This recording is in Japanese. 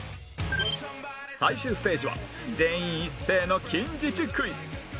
最終ステージは全員一斉の近似値クイズ